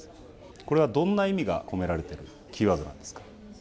これは、どんな意味が込められているキーワードなんですか。